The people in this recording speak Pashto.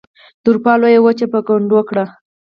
د اروپا لویه وچه یې په ګونډو کړه.